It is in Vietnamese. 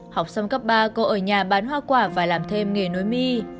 học xong cấp ba cô ở nhà bán hoa quả và làm thêm nghề núi mi